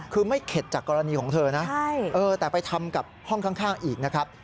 คือไม่เข็ดจากกรณีของเธอนะแต่ไปทำกับห้องข้างอีกนะครับ